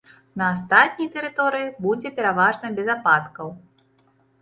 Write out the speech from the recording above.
На астатняй тэрыторыі будзе пераважна без ападкаў.